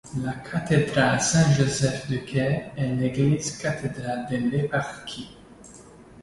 La cathédrale Saint-Joseph du Caire est l'église cathédrale de l'éparchie.